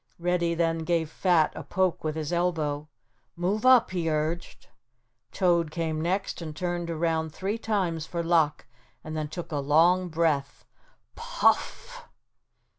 Reddy then gave Fat a poke with his elbow. "Move up," he urged. Toad came next and turned around three times for luck and then took a long breath. Puff!